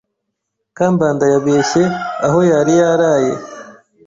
Kambanda yabeshye aho yari yaraye.